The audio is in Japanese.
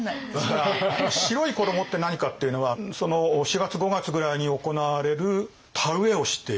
白い衣って何かっていうのはその４月５月ぐらいに行われる田植えをしている。